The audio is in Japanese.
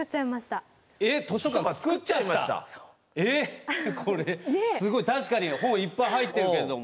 えっこれすごい確かに本いっぱい入ってるけれども。